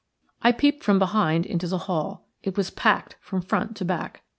I peeped from behind into the hall. It was packed from front to back.